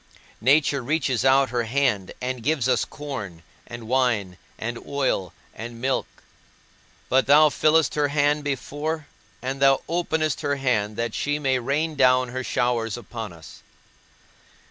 Nature reaches out her hand and gives us corn, and wine, and oil, and milk; but thou fillest her hand before, and thou openest her hand that she may rain down her showers upon us.